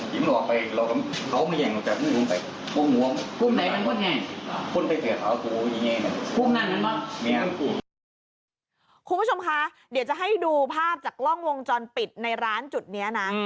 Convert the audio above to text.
คุณผู้ชมคะเดี๋ยวจะให้ดูภาพจากกล้องวงจรปิดในร้านจุดนี้นะ